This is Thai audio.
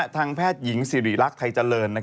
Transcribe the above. ทางแพทย์หญิงสิริรักษ์ไทยเจริญ